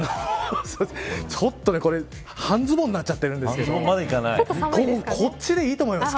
ちょっと半ズボンになっちゃってるんですけどこっちでいいと思います